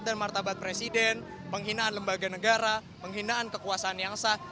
penyerangan harkat dan martabat presiden penghinaan lembaga negara penghinaan kekuasaan yang sah